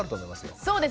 そうですね。